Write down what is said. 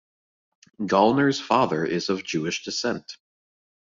Gallner's father is of Jewish descent.